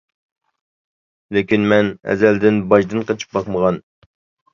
لېكىن مەن ئەزەلدىن باجدىن قېچىپ باقمىغان.